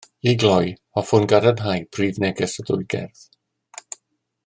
I gloi, hoffwn gadarnhau prif neges y ddwy gerdd